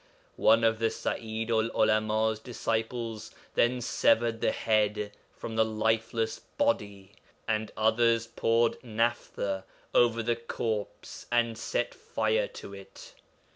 One of the Sa'idu'l 'Ulama's disciples then severed the head from the lifeless body, and others poured naphtha over the corpse and set fire to it.